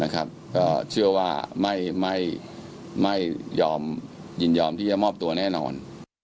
ก็เชื่อว่าไม่ยอมยินยอมที่จะมอบตัวแน่นอน